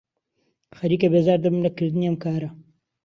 خەریکە بێزار دەبم لە کردنی ئەم کارە.